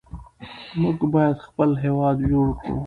موږ باید خپل هېواد جوړ کړو.